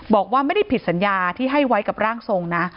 บอกว่าไม่ได้ผิดสัญญาที่ให้ไว้กับร่างทรงนะ